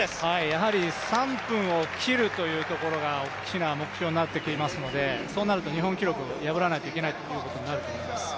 やはり３分を切るというところが大きな目標になってきますのでそうなると日本記録を破らないといけないということになると思います。